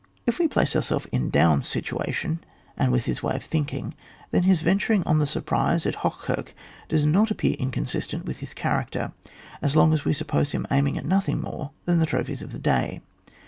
If we place ourselves in Daun's situa tion, and with his way of thinking, then his venturing on the surprise of Hoch kirch does not appear inconsistent with his character, as long as we suppose him aiming at nothing more than the trophies of the day.